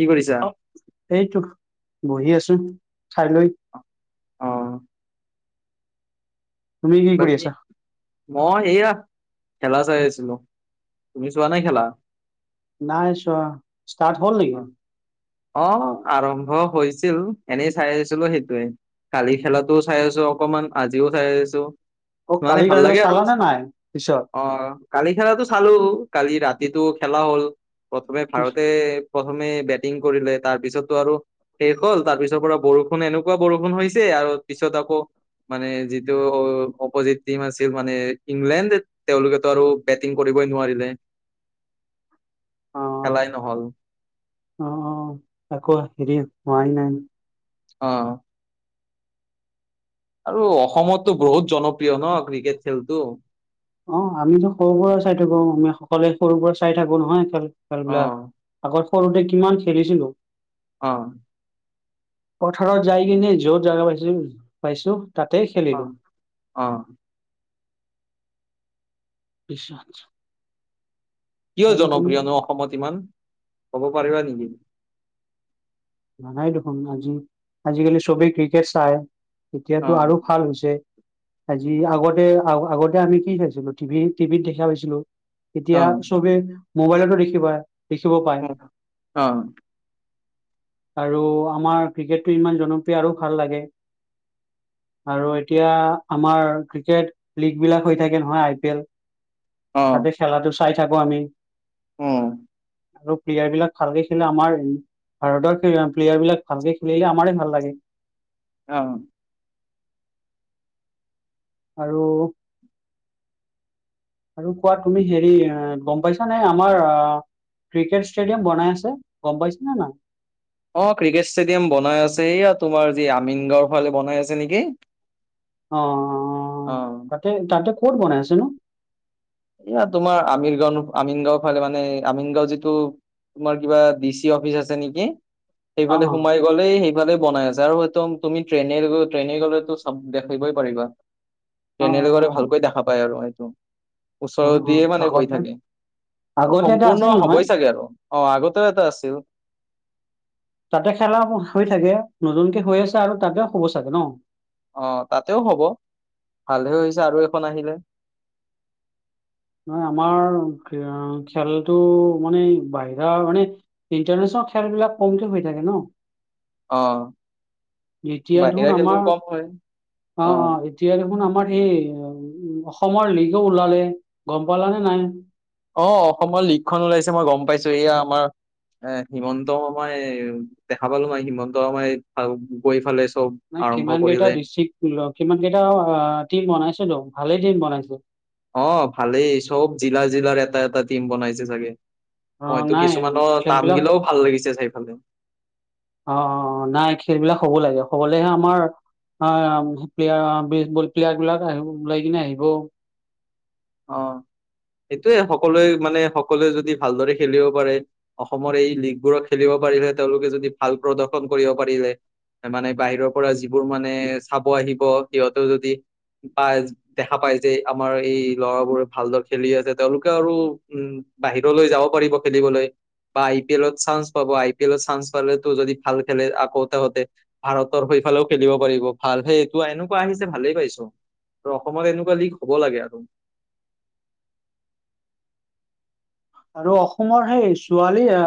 কি কৰিছা? অ এইটো বহি আছো খাইলৈ। অ', তুমি কি কৰি বাকি আছা মই সেয়া খেলা চাই আছিলো তুমি চোৱা নাই খেলা? নাই চোৱা ষ্টাৰ্ট হ'ল নেকি? অ', অ' আৰম্ভ হৈছিল এনেই চাই আছিলো সেইটোৱে। কালি খেলাতোও চাই আছো অকমান আজিও চাই আছোঁ। অ মানে কালি ভাল কালিলৈ লাগে আৰু চালানে নাই পিছত অ। কালি খেলাটো চালোঁ কালি ৰাতিটো খেলা হ'ল প্ৰথমে ভাৰতে প্ৰথমে বেটিং কৰিলে তাৰ পিছতটো আৰু শেষ হ'ল তাৰ পিছৰ পৰা বৰষুণ এনেকুৱা বৰষুণ হৈছে আৰু পিছত আকৌ মানে যিটো অপজিট টিম আছিল মানে ইংলেণ্ড তেওঁলোকেটো আৰু বেটিং কৰিবই নোৱাৰিলে। অ খেলাই নহল। অ, আকৌ হেৰি হোৱাই নাই? অ,। আৰু অসমতো বহুত জনপ্ৰিয় ন ক্ৰিকেট খেলটো। অ আমিতো সৰু পৰা চাই থাকো, আমি সকলোৱে সৰু পৰাই চাই থাকো নহয় খেল। অ খেলবিলাক আগত সৰুতে কিমান খেলিছিলোঁ। অ। পথাৰত যাই কিনে য'ত জাগা পাইছো, পাইছো তাতে অ খেলিলোঁ। অ। [inaudible] কিয় আৰু তুমি জনপ্ৰিয়নো অসমত ইমান, ক'ব পাৰিবা নেকি? জানাই দেখোন আজি আজিকালি, চবেই ক্ৰিকেট চাই অ এতিয়াতো আৰু ভাল হৈছে। আজি আগতে আগতে আমি কি খাইছিলো টিভি টিভিত দেখা পাইছিলোঁ। এতিয়া অ চবেই মোবাইলটো দেখিব, পাৰে দেখিব পায়। অ। আৰু আমাৰ ক্ৰিকেটটো ইমান জনপ্ৰিয় আৰু ভাল লাগে। আৰু এতিয়া আমাৰ ক্ৰিকেট লিগ বিলাক হৈ থাকে নহয় আই পি এল। অ তাতে খেলাটো চাই থাকোঁ আমি। উম। আৰু প্লেয়াৰ বিলাক ভালকে খেলা আমাৰ। ভাৰতৰ প্লেয়াৰ বিলাক ভালকে খেলিলে আমাৰে ভাল লাগে? অ। আৰু আৰু কোৱা তুমি হেৰি গম পাইছা নাই আমাৰ আহ ক্ৰিকেট ষ্টেডিয়াম বনাই আছে গম পাইছে নে নাই? অ ক্ৰিকেট ষ্টেডিয়াম বনাই আছে, এইয়া তোমাৰ যি আমিন গাঁওৰ ফালে বনাই আছে নেকি? অ, অ। অ। তাতে তাতে ক'ত বনাই আছে নো? এইয়া তোমাৰ আমিন গাঁও, আমিন গাঁও ফালে মানে আমিন গাঁও যিটো তোমাৰ কিবা ডি চি অফিচ আছে নেকি, অ সেইফালে সোমাই গলেই সেইফালে বনাই আছে আৰু হয়তো তুমি ট্ৰেইনে ট্ৰেইনে গ'লেতো চাব দেখিবই পাৰিবা। অ ট্ৰেনেৰে গ'লে ভালকৈ দেখা পায় আৰু এইটো। অ অ ওচৰ অ দিয়ে অ মানে গৈ আগতে থাকে আৰু আগতে এটা সম্পূৰ্ণ আছিল নহয় হ'বই চাগে আৰু? অ আগতে এটাও আছিল। তাতে খেলা হৈ থাকে, নতুনকে হৈ আছে আৰু তাতে হ'ব চাগে ন? অ তাতেও হব, ভালহে হৈছে আৰু এখন আহিলে। নহয় আমাৰ খেলতটো মানে বাহিৰা মানে ইণ্টাৰনেশ্যনেল খেলবিলাক কমকে হৈ থাকে ন? অ এতিয়া বাহিৰা দেখোন খেলবোৰ আমাৰ, অ', কম হয় অ', এ এতিয়া দেখোন আমাৰ সেই, অসমৰ লীগো ওলালে গম পালানে নাই? অ', অসমৰ লীগখন ওলাইছে মই গম পাইছো, এয়া আমাৰ এ হিমন্ত শৰ্মাৰ এই, দেখা পালো মই হিমন্ত মামাৰ এই গৈ ফালে চব। মানে আৰম্ভ কিমান কেইটা কৰিলে ডিষ্ট্ৰিক্ ল, কিমান কেইটা আ টিম বনাইছিলোঁ ভালেই টিম বনাইছো। অ', ভালেই চব জিলা, জিলাৰ এটা এটা টিম বনাইছে চাগে। অ মইতো নাই কিছুমানৰ নাম খেলবিলাক গিলেও ভাল লাগিছে চাইফালে। অ', অ', অ', নাই খেলবিলাক হ'ব লাগে, হ'বলৈহে আমাৰ আ, বপ্লেয়াৰ বেচবল প্লেয়াৰ বিলাক আহিব, ওলাই কিনে আহিব। অ', সেইটোয়ে। সকলোৱে মানে সকলোৱে যদি ভালদৰে খেলিব পাৰে অসমৰ এই লীগবোৰক খেলিব পাৰিলে তেওঁলোকে যদি ভাল প্ৰদৰ্শন কৰিব পাৰিলে মানে বাহিৰৰ পৰা যিবোৰ মানে, চাব আহিব সিহঁতেও যদি বা দেখা পাই যে, আমাৰ এই ল'ৰাবোৰে ভালদৰে খেলি আছে, তেওঁলোকে আৰু উম, বাহিৰলৈ যাব পাৰিব খেলিবলৈ। বা আই পি এলৰ চান্স পাব, আই পি এলৰ চান্স পালে তো যদি ভাল খেলে আকৌ তহঁতে ভাৰতৰ সেইফালেও খেলিব পাৰিব, ভাল সেই এইটো এনেকুৱা আহিছে, ভালেই পাইছো। আৰু অসমত এনেকুৱা লীগ, হ'ব লাগে আৰু। আৰু অসমৰ সেই ছোৱালী এ,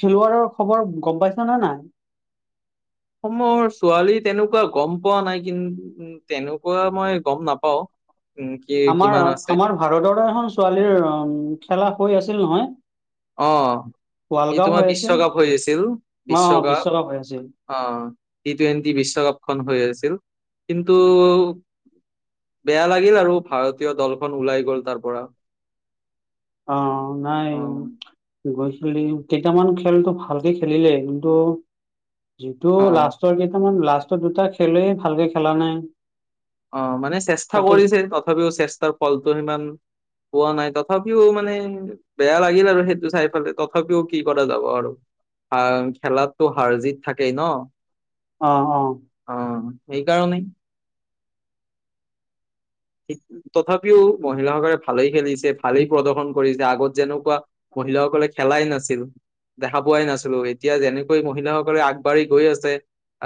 খেলুৱোৱাৰৰ খবৰ গম পাইছ নে নাই। অসম ছোৱালী তেনেকুৱা গম পোৱা নাই কিন্তু, তেনেকুৱা মই গম নাপাওঁ। উম কি আমাৰ, কিমান আছে আমাৰ ভাৰতৰ এখন ছোৱালীৰ উম, খেলা হৈ আছিল নহয়। অ', ৱৰ্ল্ড এই কাপ তোমাৰ হৈ আছিল বিশ্বকাপ হৈ আছিল, অ বিশ্বকাপ। হৈ আছিল অ', টি টুৱেণ্টি বিশ্বকাপখন হৈ আছিল, কিন্তু বেয়া লাগিল আৰু ভাৰতীয় দলখন ওলাই গ'ল, তাৰ পৰা। অ', নাই অ গৈ খেলি কেইটামান খেলটো ভালকে খেলিলে, কিন্তু যিটো অ লাষ্ট ৰ কেইটামান লাষ্ট দুটা খেলে ভালকে খেলা নাই। অ', মানে চেষ্টা তাতে কৰিছে, তথাপিও চেষ্টাৰ ফলটো সিমান পোৱা নাই, তথাপিও মানে বেয়া লাগিল আৰু সেইটো চাইফালে, তথাপিও কি কৰা যাব আৰু। আ, খেলাতো হাৰ জিত থাকেই ন। অ', অ'। অ', সেইকাৰণেই এই তথাপিও মহিলাসকলে ভালেই খেলিছে, ভালেই প্ৰদৰ্শন কৰিছে আগত যেনেকুৱা মহিলাসকলে খেলাই নাছিল। দেখা পোৱাই নাছিলো, এতিয়া যেনেকৈ মহিলাসকলে আগবাঢ়ি গৈ আছে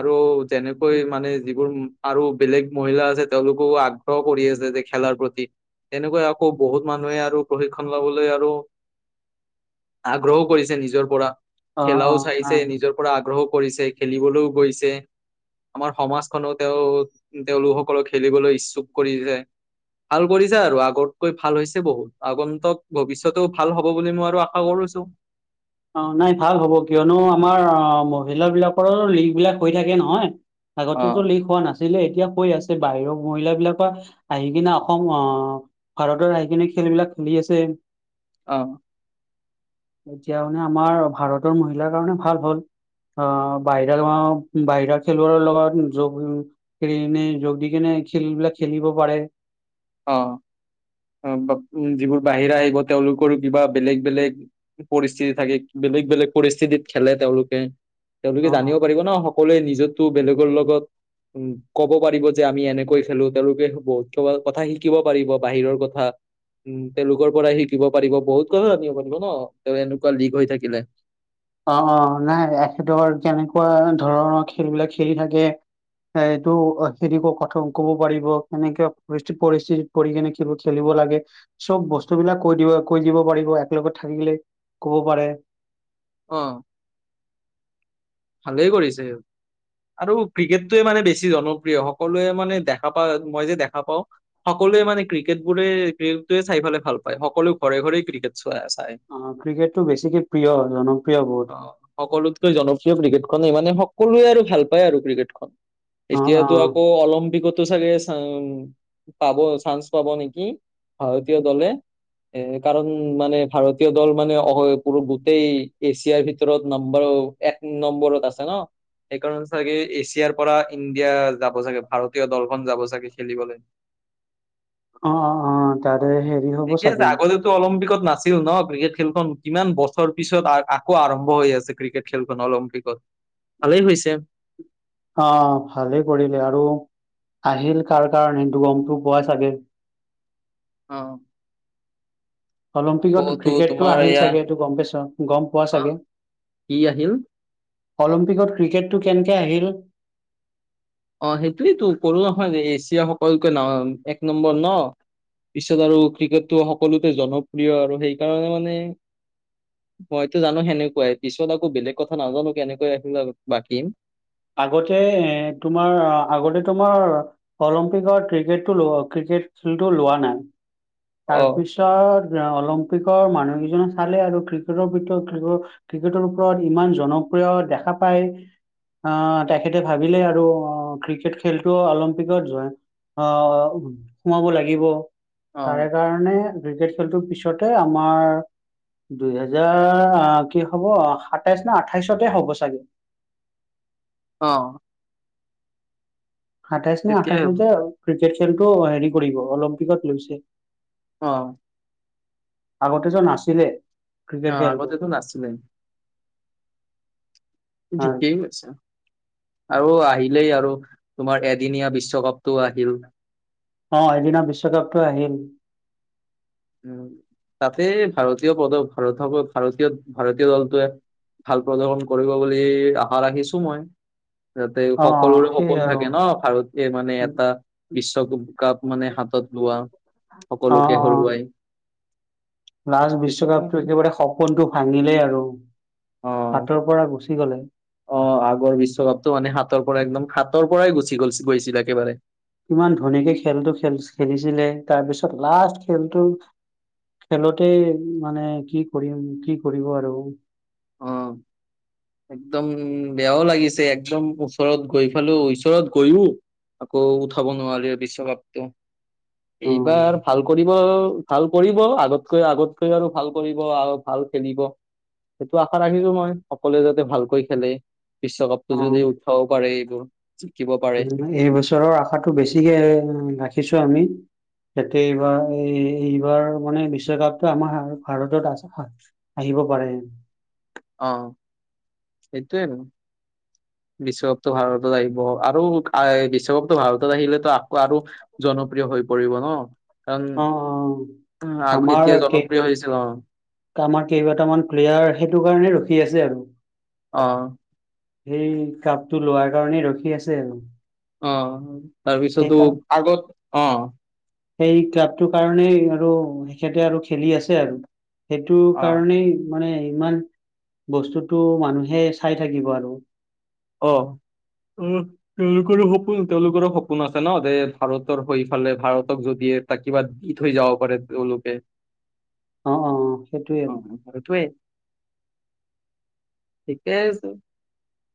আৰু যেনেকৈ মানে যিবোৰ উম, আৰু বেলেগ মহিলা আছে তেওঁলোকেও আগ্ৰহ কৰি আছে যে, খেলাৰ প্ৰতি। তেনেকৈ আকৌ বহুত মানুহে আৰু প্ৰশিক্ষন ল'বলৈ আৰু আগ্ৰহো কৰিছে নিজৰ পৰা, অ অ খেলাও চাইছে নাই নিজৰ পৰা আগ্ৰহ কৰিছে, খেলিবলৈও গৈছে। আমাৰ সমাজখনো তেওঁ, তেওঁলোকসকলক খেলিবলৈ ইচ্ছুক কৰিছে। ভাল কৰি যায় আৰু, আগতকৈ ভাল হৈছে বহুত। আগন্তক ভৱিষ্যতেও ভাল হ'ব বুলি মই আৰু আশা কৰিছো। অ', নাই ভাল হ'ব, কিয়নো আমাৰ আ মহিলা বিলাকৰো লীগ বিলাক হৈ থাকে নহয়। অ আগতো লীগ হোৱা নাছিল। [unintelligible] এতিয়া হৈ আছে বাহিৰৰ মহিলাবিলাকৰ আহি কিনে অসম আহ ভাৰতৰ আইখিনি খেল বিলাক খেলি আছে। অ', এতিয়া মানে আমাৰ ভাৰতৰ মহিলাৰ কাৰণে ভাল হ'ল। অ', বাহিৰ বাহিৰ খেলুৱৰ লগত য [unintelligible] যোগ দি কেনে খেলবলাক খেলিব পাৰে। অ', অ' বা উ যিবোৰ বাহিৰা আহিব তেওঁলোকৰো কিবা বেলেগ বেলেগ। পৰিস্থিতি থাকে বেলেগ বেলেগ পৰিস্থিতিত খেলে তেওঁলোকে তেওঁলোকে অ জানিব পাৰিব ন? সকলোৱে নিজো টো বেলেগৰ লগত। উম, ক'ব পাৰিব যে আমি এনেকৈ খেলো তেওঁলোকে বহুত কিবা কথা শিকিব পাৰিব বাহিৰৰ ক [unintelligible] উম তেওঁলোকৰ পৰাই শিকিব পাৰিব বহুত কথা জানিব পাৰিব ন তেওঁ এনেকুৱা লীিক হৈ থাকিলে। [inaudible] উম তেওঁলোকৰ উম, তেওঁলোকৰ পৰাই শিকিব পাৰিব বহুত কথা জানিব পাৰিব ন তেওঁ এনেকুৱা লীক হৈ থাকিলে। অ', অ' নাই এখেতৰ কেনেকুৱা ধৰণৰ, খেলবিলাক খেলি থাকে। এ এইটো হেৰি ক কথাও ক'ব পাৰিব কে কেনেকে পৰিস্থিতিত পৰিছিল পঢ়ি কিনে কেৱল খেলিব লাগে। চব বস্তু বিলাক কৈ দিব কৈ দিব পাৰিব একলগত থাকিলে ক'ব পাৰে। অ', ভালেই কৰিছে, আৰু ক্ৰিকেটটোৱে মানে বেছি জনপ্ৰিয় সকলোৱে মানে দেখা পাওঁ মই যে দেখা পাওঁ সকলোৱে মানে ক্ৰিকেট বোৰে ক্ৰিকট টোৱে চাই পালে ভাল পায় সকলোৱ ঘৰে, ঘৰে ক্ৰিকেট চোৱা চাই। অ', ক্ৰিকেটটো বেছিকে প্ৰিয় জনপ্ৰিয় বহুত অ', সকলোতকৈ জনপ্ৰিয় ক্ৰিকেট খনেই মানে সকলোৱে আৰু ভাল পায় আৰু ক্ৰিকেটখন। অ অ এতিয়াটো আকৌ অলিম্পিকটো চাগে চান পাব চান্স পাব নেকি? ভাৰতীয় দলে এ, কাৰণ মানে ভাৰতীয় দল মানে অ' গোটেই এছিয়াৰ ভিতৰত নাম্বাৰ এক নম্বৰত আছে ন? সেইকাৰণ চাগে এছিয়াৰ পৰা ইণ্ডিয়া যাব চাগে ভাৰতীয় দলখন যাব চাগে খেলিবলৈ। অ' অ' অ' তাৰে হেৰি হ'ব [unintelligible] ত অলিম্পিকত নাছিল ন ক্ৰিকেট খেলখন কিমান বছৰ পিছত আ আকৌ আৰম্ভ হৈ আছে ক্ৰিকেট খেলখন অলিম্পিকত। ভালেই হৈছে। অ', ভালেই কৰিলে আৰু, আহিল কাৰ কাৰণে সেইটো গমটো পোৱাই চাগে? অ', অলিম্পিকত আকৌতো ক্ৰিকেটটো তোমাৰ আহিল এয়া চাগে এইটো গম পাইছ? গম পোৱা অ চাগে? কি আহিল অলিম্পিকত ক্ৰিকেটটো কেনকে আহিল? অ', সেইটোৱেই টো কলো নহয় যে এছিয়া সকলক এক নম্বৰ ন? পিছত আৰু ক্ৰিকেটটো সকলোতে জনপ্ৰিয় আৰু সেই কাৰণে মানে মইটো জানো সেনেকুৱাই পিছত আকৌ বেলেগ কথা নাজানো কেনেকৈ [unintelligible] পাতিম। আগতে এ, তোমাৰ আগতে তোমাৰ অলিম্পিকৰ ক্ৰিকেটটো লোৱা ক্ৰিকেট খেলতো লোৱা নাই। অ তাৰপিছত ত অলিম্পিকৰ মানুহ কেইজনে চালে আৰু ক্ৰিকেটৰ [unintelligible] ক্ৰিকেটৰ ওপৰত ইমান জনপ্ৰিয় দেখা পায়। আহ তেখেতে ভাবিলে আৰু অ' ক্ৰিকেট খেলটো অলিম্পিকত যোৱা আহ সোমাব লাগিব। অ তাৰে কাৰণে ক্ৰিকেট খেলটোৰ পিছতে আমাৰ দুই হেজাৰ অ' কি হ'ব, সাতাইশ নে আঠাইশতে হ'ব চাগে। অ' সাতাইশ নে তেতিয়াই আঠাইশত হ'ব যে, ক্ৰিকেট খেলটো হেৰি কৰিব অলিম্পিকত লৈছে। অ' আগতে টো নাছিলে। ক্ৰিকেট অ', খেলটো আগতে টো নাছিলে। ঠিকেই আছে। আৰু আহিলেই আৰু, তোমাৰ এদিনীয়া বিশ্বকাপটো আহিল। অ', এদিনীয়া বিশ্বকাপ টো আহিল। উ', তাতে ভাৰতীয় পদক ভাৰতসকল ভাৰতীয়, ভাৰতীয় দলটোৱে ভাল প্ৰদৰ্শন কৰিব বুলি আশা ৰাখিছোঁ মই তাতে অ সকলোৰে সেই সপোন আৰু থাকে ন? ভাৰতে মানে এটা বিশ্বকাপ মানে হাতত লোৱা, অ অ সকলোকে হৰুৱাই লাষ্ট কিছুমান বিশ্বকাপটো একেবাৰে সপোনটো ভাঙিলে আৰু অ হাতৰ পৰা গুচি গ'লে। অ', আগৰ বিশ্বকাপটো মানে হাতৰ পৰা একদম হাতৰ পৰাই গুচি গল গৈছিল একেবাৰে ইমান ধুনীয়াকে খেলটো খেল খেলিছিলে তাৰপিছত লাষ্ট খেলটো খেলোতে মানে কি কৰিম কি কৰিব আৰু অ' একদম বেয়াও লাগিছে? একদম ওচৰত গৈ পালো ওচৰত গৈও আকৌ উঠাব নোৱাৰি বিশ্বকাপটো অ এইবাৰ ভাল কৰিব ভাল কৰিব আগতকৈ আগতকৈ আৰু ভাল কৰিব আৰু ভাল খেলিব! সেইটো আশা ৰাখিছো মই সকলোৱে যাতে ভালকৈ খেলে! অ বিশ্বকাপটো যদি উৎসও পাৰে এইবোৰ? যিকিব পাৰো! উ ম, এই বছৰৰ আশাটো বেছিকে ৰাখিছো আমি! তাতে এইবাৰ এইবাৰ মানে বিশ্বকাপটো আমাৰ ভাৰতত আছে হয়! আহিব পাৰে? অহ 'সেইটোয়ে! বিশ্বকাপটো ভাৰতত আহিব আৰু বিশ্বকাপটো ভাৰতত আহিলেতো আকৌ আৰু জনপ্ৰিয় হৈ পৰিব ন? অ অ কাৰণ আগ আমাৰ এতিয়া কেই জনপ্ৰিয় হৈছে! অ' আমাৰ কেইবাটাামান প্লেয়াৰ সেইটো কাৰণে ৰখি আছে আৰু অ' সেই কাপটো লোৱাৰ কাৰণেই ৰখি আছে! আৰু সেই অ'তাৰপিছতো কা আগত! অ' সেই ক্লাবটোৰ কাৰণেই আৰু তেখেতে আৰু খেলি আছে আৰু সেইটো অ কাৰণেই মানে ইমান বস্তুতটো মানুহে চাই থাকিব আৰু? অ [unintelligible] তেওঁলোকৰো সপোন তেওঁলোকৰো সপোন আছে ন যে ভাৰতৰ হৈ এইফালে ভাৰতক যদিয়ে তাকিবাত দি থৈ যাব পাৰে তেঁওলোকে অ অ সেইটোৱে অ আৰু সেইটোৱে ঠিকে আছে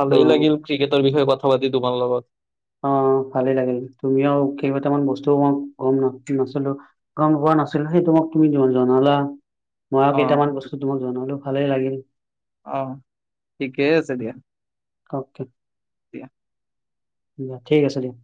ভালেই অ লাগিল ক্ৰিকেটৰ বিষয়ে কথা পাতি তোমাৰ লগত! অ' ভালেই লাগিল! তুমিও কেইবটামান বস্তু মই কম নাচো! কম হোৱা নাছিল সেইটো তুমি জনালা মই আৰু অ কেইটামান বস্তু তোমাক জনালো ভালেই লাগিল! অ' ঠিকেই আছে দিয়া! [inaudible] দিয়া ঠিক আছে দিয়া।